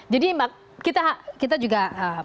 jadi kita juga